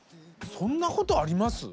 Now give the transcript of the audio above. そんなことあります？